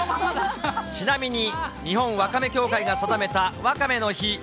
ちなみに、日本わかめ協会が定めたわかめの日。